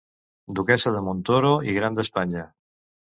Duquessa de Montoro i Gran d'Espanya.